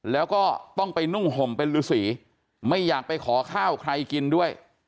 แล้วก็ต้องไปนุ่งห่มเป็นฤษีไม่อยากไปขอข้าวใครกินด้วย